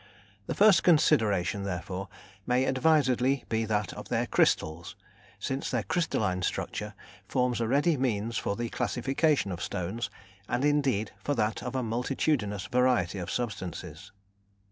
The first consideration, therefore, may advisedly be that of their crystals, since their crystalline structure forms a ready means for the classification of stones, and indeed for that of a multitudinous variety of substances.